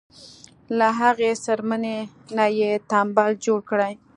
له هغې څرمنې نه یې تمبل جوړ کړی.